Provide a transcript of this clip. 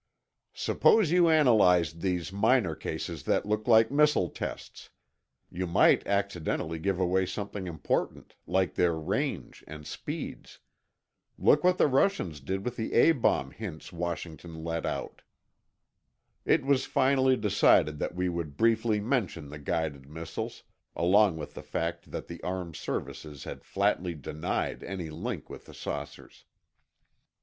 "Suppose you analyzed these minor cases that look like missile tests. You might accidentally give away something important, like their range and speeds. Look what the Russians did with the A bomb hints Washington let out." It was finally decided that we would briefly mention the guided missiles, along with the fact that the armed services had flatly denied any link with the saucers.